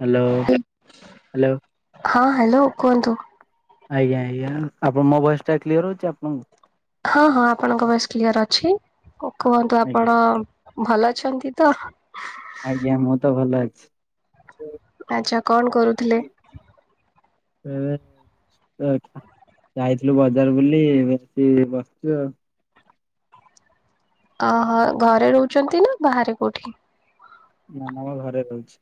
Hello hello ହଁ, hello କୁହନ୍ତୁ? ଆଜ୍ଞା ଆଜ୍ଞା, ଆପଣ ମୋ ଭଏସ ଟା କ୍ଲିୟର ହଉଚି, ଆପଣଙ୍କୁ? ହଁ ହଁ ଆପଣଙ୍କ ଭଏସ କ୍ଲିୟର ଅଛି। କ କୁହନ୍ତୁ ଆଜ୍ଞା ଆପଣ ଭଲ ଅଛନ୍ତି ତ? ଆଜ୍ଞା, ମୁଁ ତ ଭଲ ଅଛି। ଆଚ୍ଛା କଣ କରୁଥିଲେ? ମୁଁ ଆଇଥ ଆଇଥିଲୁ ବଜାର ବୁଲି ଏଠି ବସିଚି ଆଉ। ଅହ ଘରେ ରହୁଛନ୍ତି ନା ବାହାରେ କୋଉଠି? ମୁଁ ମୋର ଘରେ ରହୁଚି।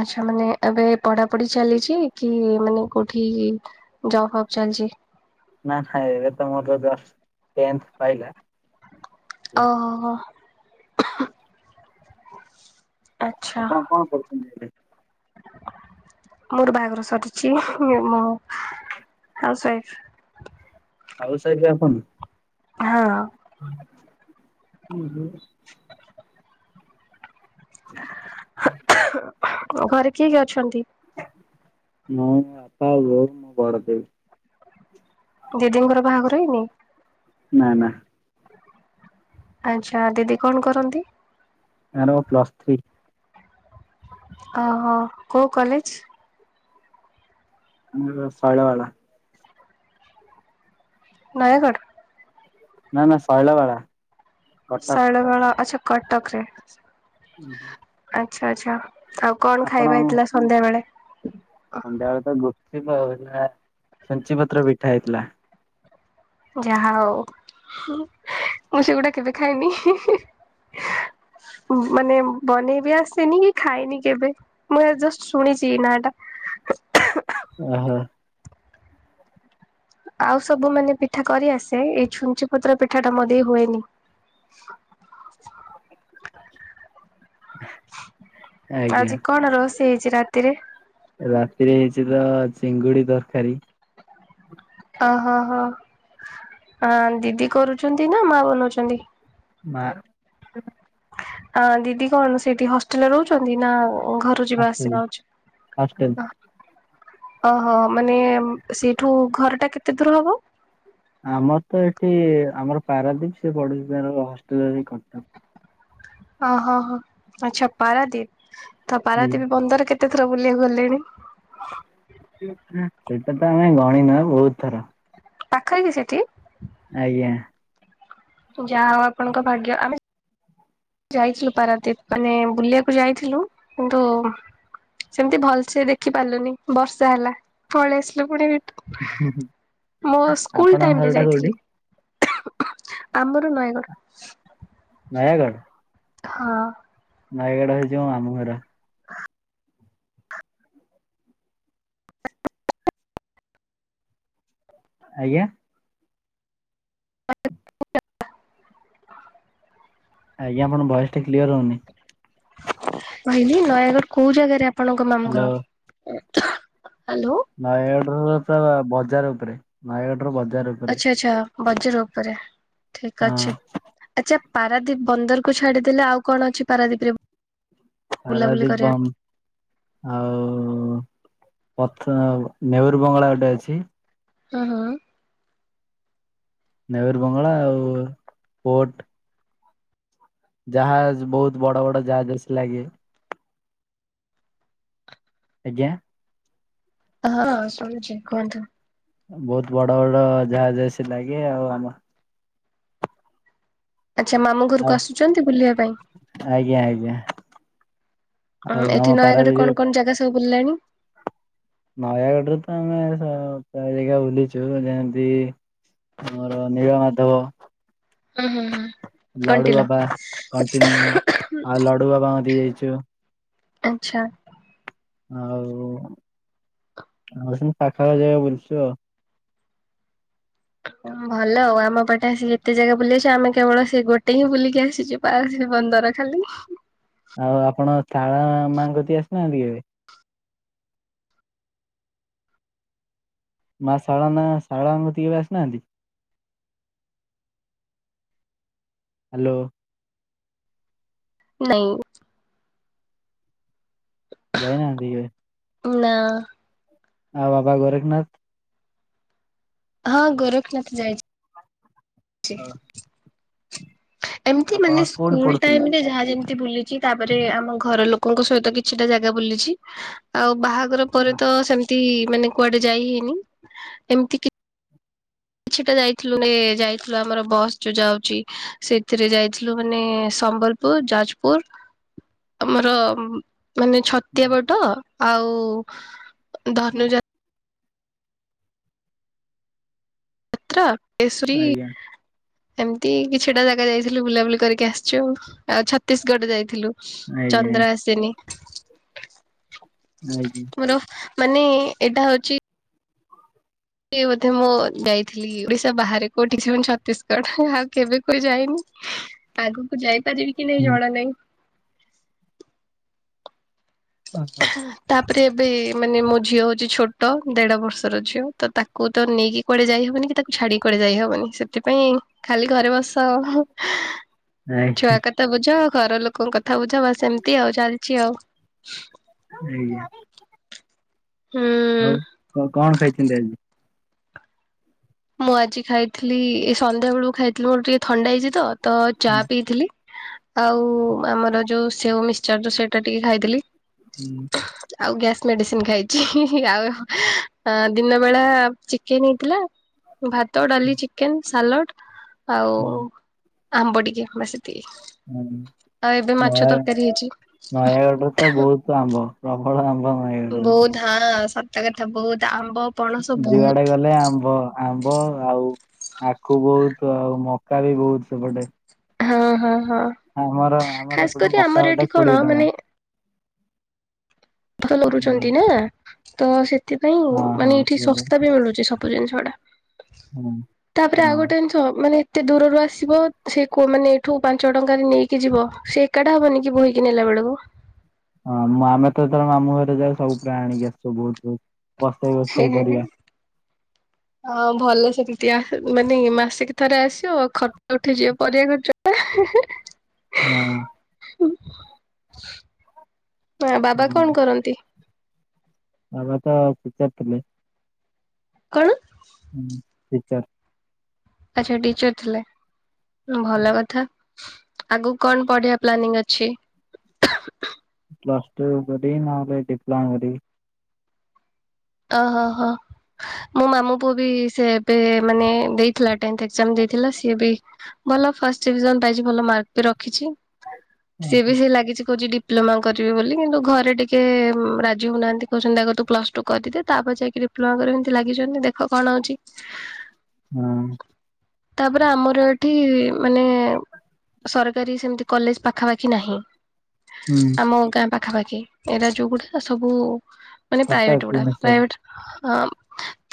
ଆଚ୍ଛା ମାନେ ଏବେ ପଢାପଢି ଚାଲିଚି କି ମାନେ କୋଉଠି ଯଅ ଫବ ଚାଲଚି। ନା ନାଇ ଏବେ ତ ମୋର ଜଷ୍ଟ ଟେନ୍ଥ ସଇଲା। ଓହୋ। ଆଛା ଆପଣ କଣ କରୁଛନ୍ତି ଏବେ? ମୋର ବାହାଘର ସରିଛି। ଇଏ ମୁଁ ହାଉସ ୱାଇଫ। ହାଉସ ୱାଇଫ ଆପଣ? ହଁ। ହୁଁ। ଘରେ କିଏ କିଏ ଅଛନ୍ତି? ମୁଁ ବାପା ବୋଉ ମୋ ବଡ ଦେବି। ଦିଦିଙ୍କର ବାହାଘର ହେଇନି? ନା ନା। ଆଚ୍ଛା ଦିଦି କଣ କରନ୍ତି? ତାର ପ୍ଲସ ଥ୍ରୀ। ଓହୋ କୋଉ କଲେଜ? ଆମର ଶୈଳବାଳା। ନୟାଗଡ଼? ନା ନା ଶୈଳବାଳା। କଟକ। ଶୈଳବାଳା ଆଛା କଟକରେ। ହୁଁ ହୁଁ। ଆଚ୍ଛା ଆଛା ଆଉ କଣ ଖାଇବା ହେଇଥିଲା ସନ୍ଧ୍ୟାବେଳେ? ସନ୍ଧ୍ୟାବେଳେ ତ ଗୁପଚୁପ ଆଉ ହେଲା ଛୁଞ୍ଚି ପତ୍ର ପିଠା ହେଇଥିଲା। ଯାହା ହଉ ମୁଁ ସେଗୁଡା କେବେ ଖାଇନି। ହଁ ମାନେ ବନେଇ ବିି ଆସେନି କି ଖାଇନି କେବେ ମୁଁ ଜଷ୍ଟ ଶୁଣିଛି ନା ଟା। ଓହୋ। ଆଉ ସବୁ ମାନେ ପିଠା କରିଆସେ ଏଇ ଛୁଞ୍ଚି ପତ୍ର ପିଠା ଟା ମୋ ଦେଇ ହୁଏନି। କ ଆଜ୍ଞା ଆଜି କଣ ରୋଷେଇ ହେଇଛି ରାତିରେ? ରାତିରେ ହେଇଛି ତ ଚିଙ୍ଗୁଡି ତରକାରୀ। ଓହୋ ହୋ ଦିଦି କରୁଛନ୍ତି ନା ମା ବନାଉଛନ୍ତି? ମାଆ। ଆ ଦିଦି କଣ ସେଇଠି ହଷ୍ଟେଲରେ ରହୁଛନ୍ତି ନା ଘ ଟୁ ଯିବା ହଷ୍ଟେଲ ଆସିବା ହଷ୍ଟେଲ। ଉଚିତ ଅହ। ଓହୋ ମାନେ ସେଇଠୁ ଘରଟା କେତେ ଦୂର ହବ? ଆମର ତ ଏଠି ଆମର ପାରାଦୀପ ସେ ପଢୁଛି ତାର ହଷ୍ଟେଲରେ ରହିକି କଟକ। ଓହୋ ହୋ ଆଚ୍ଛା ପାରାଦ୍ୱୀପ ତ ଆଜ୍ଞା ପାରାଦ୍ୱୀପ ବନ୍ଦର କେତେ କେତେ ଥର ବୁଲିବାକୁ ଗଲେଣି? ସେଇଟା ତ ଆମେ ଗଣିନୁ ଆ ବହୁତ ଥର। ପାଖରେ କି ସେଠି? ଆଜ୍ଞା। ଯାହା ହଉ ଆପଣଙ୍କ ଭାଗ୍ୟ ଆମେ ଯାଇଥିଲୁ ପାରାଦ୍ୱୀପ ମାନେ ବୁଲିବାକୁ ଯାଇଥିଲୁ କିନ୍ତୁ ସେମିତି ଭଲସେ ଦେଖିପାରିଲୁନି ବର୍ଷା ହେଲା ପଳେଇ ଆସିଲୁ ପୁଣି ରି ଆପଣଙ୍କ ଟାଇମରେ ଘରଟା ଯାଇଥିଲି କୋଉଠି? ଆମର ନୟାଗଡ଼। ନୟାଗଡ? ହଁ। ନୟାଗଡ ହେଇଚି ହଉଚି ମୋ ମାମୁଁ ଘର। ଆଜ୍ଞା [inaudible] ଆଜ୍ଞା ଆପଣ ଭଏସ ଟା କ୍ଲିୟ ହଉନି? କହିଲି ନୟାଗଡ କୋଉ ଜାଗାରେ ଆପଣଙ୍କ ମାମୁ ହ୍ୟାଲୋ ଘଅ‌। ଅଧା ହାଲୋ ନୟାଗଡ ରର ବଜାର ଉପରେ ନୟାଗଡ ର ବଜାର ଉ ଆଚ୍ଛା ଆଚ୍ଛା ବଜାର ଉପରେ ଠିକ୍ ହଁ ଅଛି। ଆଚ୍ଛା ପାରାଦୀପ ବନ୍ଦରକୁ ଛାଡିଦେଲେ ଆଉ କଣ ଅଛି ପାରାଦୀପରେ ବୁଲାବୁଲି ପାରାଦୀପ କରିବା? ବନ୍ଦ ଆଉ ପଥ ନେହରୁ ବଙ୍ଗଳା ଗୋଟେ ଅଛି। ହଁ ହଁ ନେହେରୁ ବଙ୍ଗଳା ଆଉ ପୋର୍ଟ। ଜାହାଜ ବହୁତ ବଡ଼ ବଡ଼ ଜାହାଜ ଆସି ଲାଗେ। ଆଜ୍ଞା ହଁ ଶୁଭୁଚି କୁହନ୍ତୁ? ବହୁତ ବଡ ବଡ ଜାହାଜ ଆସ ଲାଗେ ଆଉ ଆମ ଆଚ୍ଛା ମାମୁଁ ଘରକୁ ଆଉ ଆସୁଛନ୍ତି ବୁଲିବା ପାଇଁ? ଆଜ୍ଞା ଆଜ୍ଞା ଆଉ ଆମ ଏଠି ନୟାଗଡରେ ପାରାଦ୍ୱୀପରେ କଣ କଣ ଜାଗା ସବୁ ବୁଲିଲାଣି? ନୟାଗଡରେ ତ ଆମେ ସ ଜାଗାଏରିକ ବୁଲିଚୁ ଯେମିତି ଆମର ନୀଳ ମାଧବ। ହୁଁ ହୁଁ ହୁଁ ଲଡୁ କଣ୍ଟିଲ ବାବା, କଣ୍ଟିନ୍ୟ ଆଉ ଲଡୁ ବାବା କତିକି ଯାଇଚୁ। ଆଚ୍ଛା ଆଉ ଆଉ ସବୁ ପାଖା ପାଖି ଜାଗା ବୁଲଚୁ ଆଉ। ଭଲ ଆଉ ଆମ ପଟେ ଆସିକି ଏତେ ଜାଗା ବୁଲି ଆସଚ ଆମେ କେବଳ ସେ ଗୋଟେ ହିଁ ବୁଲିକି ଆସିଚୁ। ବାଜୀ ବନ୍ଦର ଖାଲି। ଆଉ ଆପଣ ତାଳା ମାଙ୍କ କତିକି ଆସିନାହାନ୍ତି କେବେ? ମା ଶାଳ ନା ଶଳାଙ୍କୁ କତିକି କେବେ ଆସିନାହାନ୍ତି? ହ୍ୟାଲୋ ନାଇଁ ଯାଇନାହାନ୍ତି କେବେ? ନାଁ ହଁ ବାବା ଗୋରେଖନାଥ? ହଁ ଗୋରଖନାଥ ଯାଇଚି। [inaudible] ଏମତି ମାନେ ଆପଣ କୋଉଠି ସ୍କୁଲ ପଢୁଥିଲେ? ଟାଇମରେ ଯାହା ଯେମି ତି ବୁଲିଚି ତାପରେ ଆମ ଘର ଲୋକଙ୍କ ସହିତ କିଛିଟା ଜାଗା ବୁଲିଚି ଆଉ ବାହା ଘରେ ପରେ ହଁ, ତ ସେମିତି ମାନେ କୁଆଡେ ଯାଇ ହେଇନି ଏମିତିକି କିଛିଟା ଯାଇଥିଲୁ ନେ ଯାଇଥିଲୁ ଆମର ବସ୍ ଯୋଉ ଯାଉଚି ସେଥିରେ ଯାଇଥିଲୁ ମାନେ ସମ୍ବଲ ପୁରୀ, ଯାଜପୁର ଆମର ମାନେ ଛ ତିଆବଟ ଆଉ ହଁ, ଧନୁଜା ଆଜ୍ଞା [inaudible] ଏମିତି କିଛିଟା ଜାଗା ଯାଇଥିଲୁ ବୁଲାବୁଲି କରିକି ଆସଚୁ ଆଉ ଛତିଶଗଡ ଯାଇଥିଲୁ। ଆଜ୍ଞା ଚନ୍ଦ୍ର ଆସନି। ନାଇକି। ମୋର ମାନେ ଏଇଟା ହଉଛି ସେ ବୋଧେ ମୁଁ ଯାଇଥିଲି ଓଡିଶା ବାହାରେ କୋଉଠିକି କହନି ଛତିଶଗଡ ଆଉ କେବେ କୁଆଡେ ଯାଇନି। ଆଗକୁ ଯାଇପାରିବି କି ନାଇଁ ହୁଁ, ଜଣା ନାହିଁ। ଓହୋ। ତାପରେ ଏବେ ମାନେ ମୋ ଝିଅ ହଉଛି ଛୋଟ ଦେଢ ବର୍ଷର ଝିଅ ତ ତାକୁ ତାକୁ ତ ନେଇକି କୁଆଡେ ଯାଇ ହବନି କି ତାକୁ ଛାଡିକି କୁଆଡେ ଯାଇ ହବନି ସେଥିପାଇଁ ଖାଲି ଘରେ ବସ [unintelligible] ଛୁଆ କଥା ବୁଝ ଘର ଲୋକଙ୍କ କଥା ବୁଝ ବାସ୍ ଏମିତି ଆଉ ଚାଲିଛି ଆଉ। ହୁଁ। ହୁଁ। ଆଉ କ-କଣ ଖାଇଛନ୍ତି ଆଜି? ମୁଁ ଆଜି ଖାଇଥିଲି ଏ ସନ୍ଧ୍ୟା ବେଳକୁ ଖାଇଥିଲି ମୋର ଟିକେ ଥଣ୍ଡା ହେଇଛି ତ ତ ଚା ହୁଁ, ପିଇଥିଲି। ଆଉ ଆମର ଯୋଉ ସେଓ ମିକ୍ସଚର ରୁ ସେଇଟା ଟିକେ ଖାଇଥିଲି। ହୁଁ। ଆଉ ଗ୍ୟାସ୍ ମେଡିସିନ୍ ଖାଇଛି ଆଉ ଦିନ ବେଳା ଚିକେନ୍ ହେଇଥିଲା [unintelligible] ଭାତ, ଡାଲି, ଚିକେନ୍, ସାଲଟ୍ ଆଉ ହୁଁ, ଆମ୍ବ ଟିକେ ବାସ୍ ଏ ହୁଁ, ନୟା ତରକାରୀ ହେଇଛି। - ନୟାଗଡ଼ରେ ତ ବହୁତ ଆମ୍ବ। ପ୍ରବଳ ଆମ୍ବ। ନୟାଗଡ଼ରେ। ବହୁତ୍ ହଁ ସତ ରେ ତ ବହୁତ ଆମ୍ବ ପଣସ ବହୁତ। ଯୁଆଡେ ଗଲେ ଆମ୍ବ ଆମ୍ବ ଆଉ ଆଖୁ ବହୁତ୍ ଆଉ ମକା ବି ବହୁତ୍ ସେପଟେ ହଁ, ହଁ, ହଁ ଆମର ଆମର ଖାସ୍ ଏପଟେ କରି ମକା ଆମର ଗୋଟେ ଏଠି କଣ କୋଡିଏ ଟଙ୍କା ମାନେ ହଁ ଲରୁଛନ୍ତି ନା ତ ସେଥିପାଇଁ ହଁ ମାନେ ହଁ। ଏଠି ସେପଟେ। ଶସ୍ତା ବି ମିଳୁଛି ସବ୍ [unintelligible] ସବୁ ଜିନିଷ ଗୁଡା ହଁ ତାପରେ ହଁ। ଆଉ ଗୋଟେ ଜିନିଷ ମାନେ ଏତେ ଦୂରରୁ ଆସିବ ସେ କୋଉ ମାନେ ଏଇଠୁ ପାଞ୍ଚ ଟଙ୍କାରେ ନେଇକି ଯିବ ସେ ଏଗାରଟା ହବନି ବୋହିକ ନେଲା ବେଳକୁ [unintelligible] ହଁ ମୁଁ ଆମେ ତ ଯେତେବେଳେ ମାମୁଁ ଘର ଯାଉ ସବୁ ପ୍ରାୟ ଆଣିକି ଆଶୁ ବହୁତ୍ ବହୁତ୍। [inaudible] ହେ, ହେ। [inaudible] ହଁ ଭଲ ସେ ଚୁଟିଆ ମାନେ ମାସକୁ ଥରେ ଆସିବ ଖର୍ଚ୍ଚ ଉଠେଇଯିବ ପରିବା ଖର୍ଚ୍ଚ ଟା [unintelligible] ହଁ। [unintelligible] ମା ବାବା ହଁ କଣ କରନ୍ତି? ବାବା ତ ଠିକ୍ ଠାକ୍ ଥିଲେ [unintelligible] କଣ? ହୁଁ, ଟିଚର। ଆଚ୍ଛା ଟିଚର୍ ଥିଲେ ହୁଁ ଭଲ କଥା। ଆଗକୁ କଣ ପଢ଼ିବା ପ୍ଲାନିଙ୍ଗ ଅଛି? ପ୍ଲସ୍ ଟୁ କରବି ନହେଲେ ଡିପ୍ଲୋମା କରିବି [unintelligible] ଓହୋ ହୋ। ମୋ ମାମୁ ପୁଅ ବି ସେ ଏବେ ମାନେ ଦେଇଥିଲା ଟେନ୍ଥ ଏକ୍ସାମ୍ ଦେଇଥିଲା ସି ବି ଭଲ ଫାଷ୍ଟ ଡିଭିଜନ ପାଇଛି ଭଲ ମାର୍କ ବି ରଖିଛି, ସିଏ ବି ହଁ ସେ ଲାଗିଛି କହୁଛି ଡି ଡିପ୍ଲୋମା କରିବି ବୋଲି କିନ୍ତୁ ଘରେ ଟିକେ ରାଜି ହଉନାହାନ୍ତି କହୁଛନ୍ତି ଆଗ ତୁ ପ୍ଲସ୍ ଟୁ କରିଦେ ତାପରେ ଯାଇକି ଡିପ୍ଲୋମା କରିବୁ ଏମିତି ଲାଗିଛନ୍ତି ଦେଖ କଣ ହଉଛି। ହଁ। ତାପରେ ଆମର ଏଠି ମାନେ ସରକାରୀ ସେମିତି କଲେଜ ପାଖାପାଖି ନାହିଁ। ହୁଁ। ଆମ ଗାଁ ପାଖାପାଖି ଏଟ ଯୋଉ ଗୁଡା ସବୁ ମାନେ କଟକ ପ୍ରାଇଭେଟ ଗୁଡା ଭୁବନେଶ୍ୱର। ପ୍ରଭେଟ ହଁ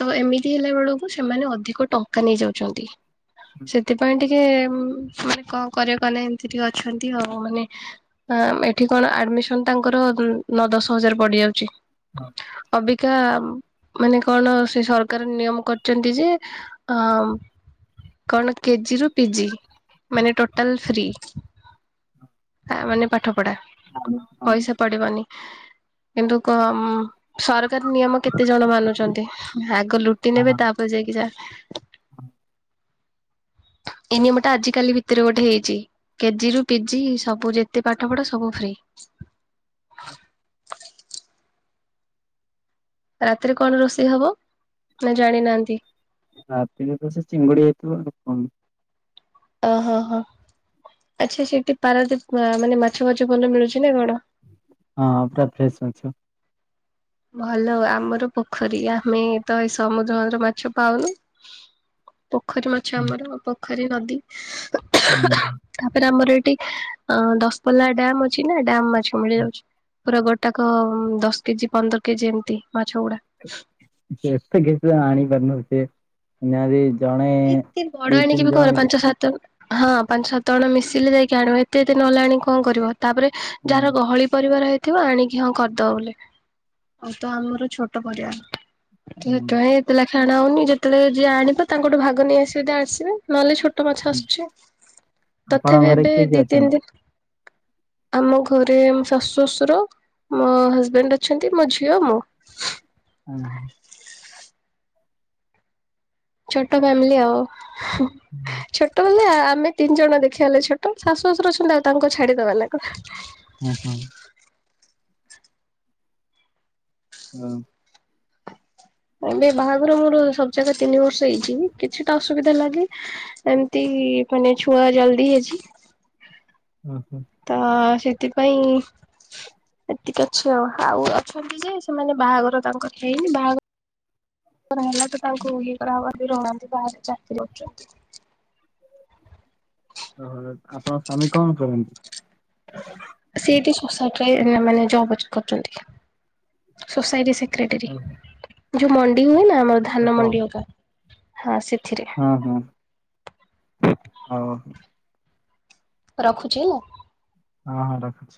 ତ ଏମିତି ହେଲା ବେଳକୁ ସେମାନେ ଅଧିକ ଟଙ୍କା ନେଇଯାଉଛନ୍ତି। ସେଥିପାଇଁ ଟିକେ କଣ କର କ ନା ଏମିତି ଟିକେ ଅଛନ୍ତି ଆଉ ମାନେ ହ ଏଠି କଣ ଆଡମିସନ ତାଙ୍କର ନଅ ଦଶ ହଜାର ପଡିଯାଉଛି। [inaudible] ଅବିକା ମାନେ କଣ ସେ ସରକାର ନିୟମ କରିଛନ୍ତି ଯେ ଅ କଣ କେଜି ରୁ ପିଜି ମାନେ ଟୋଟାଲ ଫ୍ରିରି। ମାନେ ପାଠ ପଢା। ଆଉ କଣ? ପଇସା ପଡିବନି କିନ୍ତୁ କମ ସରକାର ନିୟମ କେତେ ଜଣ ମାନୁଛନ୍ତି ଆଗ ଲୁଟି ନେବେ ତାପରେ ଯାଇକି ଯା। ଏଇ ନିୟମ ଟା ଆଜିିକାଲି ଭିତରେ ଗୋଟେ ହେଇଛି। କେଜି ରୁ ପିଜି ସବୁ ଯେତେ ପାଠ ପଢ ସବୁ ଫ୍ରିରି। [inaudible] ରାତିରେ କଣ ରୋଷେଇ ହବ ନା ଜାଣି ନାହାନ୍ତି। ରାତିରେ ତ ସେ ଚିଙ୍ଗୁଡି ହେଇଥିବ କ ଓହୋ ହଁ ଆଚ୍ଛା ସେଠି ପାରାଦ ମାନେ ମାଛ ଫାଛ ଭଲ ମିଳୁଛି ନା କଣ? ହଁ ପୁରା ଫ୍ରେଶ ମାଛ। ଭଲ ଆମର ପୋଖରୀ ଆମେ ତ ଏଇ ସମୁଦ୍ରର ମାଛ ପାଉନୁ। [inaudible] ପୋଖରୀ ମାଛ ଆମର ପୋଖରୀ ନଦୀ। [inaudible] [inaudible] ତାପରେ ଆମର ଏଠି ଅ ଦଶପଲ୍ଲା ଡାମ ଅଛି ନା ଡାମ ମାଛକୁ ମିଳି ଯାଉଛି। ପୁରା ଗୋଟାକ ଦଶ କେଜି ପନ୍ଦର କେଜି ଏମିତି ମାଛ ଗୁଡା। [unintelligible] ଏତେ ବଡ ଦି ଆଣିକ ତିନି ବି ଜଣ ଘର ମିଶି ପାଞ୍ଚ ସାତ ହଁ ପାଞ୍ଚ ସାତ ଜଣ ମିଶିଲେ ଯାଇକି ଆଣିବ ଏତେ ଏତେ ନହେଲେ ଆଣି କଣ କରିବ। ତାପରେ ହଁ ଯାହାର ଗହଳି ପରିବାର ହେଇ ଥିବ ଆଣିକି ହଁ କରିଦବ ବୋଲି ଆଉ ତ ଆମର ଛୋଟ ପରିବାର। ହେ କାଇଁ ଯେତେବେଳେ ଖେଣା ହଉନି ଯେତେବେଳେ ଯିଏ ଆଣିବ ତାଙ୍କଠୁ ଭାଗ ନେଇ ଆସିବ ଯି ଆସିବେ ନହେଲେ ଛୋ ଛଟ ମାଛ ହୁଁ ଆସୁଛି ଆପଣଙ୍କ ତଥାପି ଘରେ ଏବେ କିଏ କିଏ ଦି ତିନି ଦିନ ଆମ ଘରେ ଶାଶୁ ଶଶୁର ମୋ ହଜବେଣ୍ଡ ଅଛନ୍ତି ମୋ ଝିଅ ମୁଁ। ହଁ। ଛୋଟ ଫ୍ୟାମିଲି ଆଉ। [inaudible] ଛୋଟ ହେଲେ ଆମେ ତିନି ଜଣ ଦେଖିବାଲେ ଛୋଟ ଶାଶୁ ଶାଶୁର ଅଛନ୍ତି ଆଉ ତାଙ୍କ ଛାଡିଦବା କଣ। ହୁଁ ହୁଁ। ହଁ। ଏବେ ବାହାଘର ମୋର ସବୁ ଜାଗା ତିନି ବର୍ଷ ହେଇଛି କିଛିଟା ଅସୁବିଧା ତ ଲାଗେ ଏମିତି ମାନେ ଛୁଆ ଜଲଦି ହେଇଛି। ଓହୋ। ତ ସେଥିପାଇଁ ଏତିକି ଅଛି ଆଉ ଆଉ ଅଛନ୍ତି ଯେ ସେମାନେ ବାହାଘର ତାଙ୍କର ହେଇନି ବାହାଘର ର ହେଲାଠୁ ତାଙ୍କୁ ଇଏ କରାହବ କେହି ରହୁନାହାନ୍ତି ବାହାରେ ଚାକିରୀ କରୁଚନ୍ତି। ଓହୋ, ଆପଣଙ୍କ ସ୍ୱାମୀ କଣ କରନ୍ତି? ସିଏ ଏଇଠି ସୋସାଇଟିରେ ମାନେ ଜବ ଅ କରୁଚନ୍ତି। ସୋସାଇଟି ସେକ୍ କ୍ରେଟେରୀ ଓହୋ, ଯୋଉ ମଣ୍ଡି ହୁଏ ନା ଆମର ଧାନ କଣ? ମଣ୍ଡି ଅକା ହଁ ସେଥିରେ। ହଁ ହଁ ହଉ। ରଖୁଚି ହେଲା। ହଁ ହଁ ରଖୁଚି।